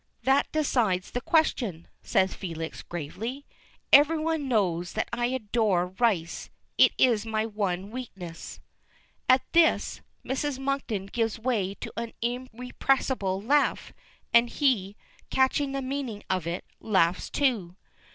"That decides the question," says Felix gravely. "Every one knows that I adore rice. It is my one weakness." At this, Mrs. Monkton gives way to an irrepressible laugh, and he, catching the meaning of it, laughs, too.